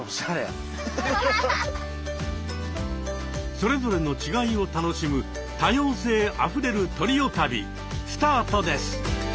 それぞれの違いを楽しむ多様性あふれるトリオ旅スタートです。